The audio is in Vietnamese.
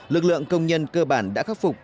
lực lượng công nhân cơ bản đã khắc phục